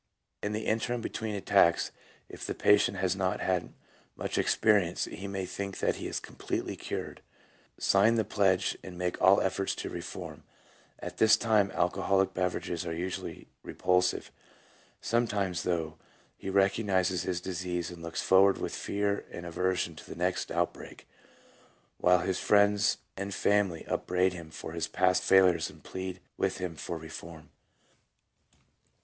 1 In the interim between attacks, if the patient has not had much experience, he may think that he is completely cured, sign the pledge, and make all efforts to reform ; at this time alcoholic beverages are usually repulsive. Sometimes, though, he recog nizes his disease and looks forward with fear and aversion to the next outbreak, while his friends and family upbraid him for his past failures and plead with him for reform.